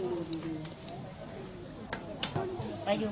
สวัสดีครับทุกคน